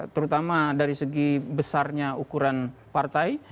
terutama dari segi besarnya ukuran partai